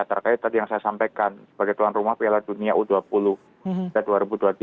terkait tadi yang saya sampaikan sebagai tuan rumah piala dunia u dua puluh dua ribu dua puluh tiga